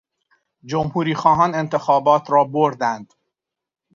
جمهوریخواهان انتخابات را بردند.